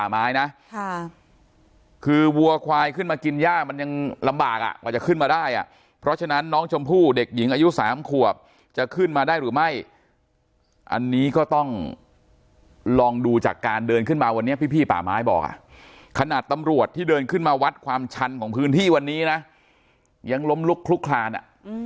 คือวัวควายขึ้นมากินย่ามันยังลำบากอ่ะกว่าจะขึ้นมาได้อ่ะเพราะฉะนั้นน้องชมพู่เด็กหญิงอายุ๓ขวบจะขึ้นมาได้หรือไม่อันนี้ก็ต้องลองดูจากการเดินขึ้นมาวันนี้พี่ป่าไม้บอกอ่ะขนาดตำรวจที่เดินขึ้นมาวัดความชันของพื้นที่วันนี้นะยังล้มลุกคลุกคลานอ่ะ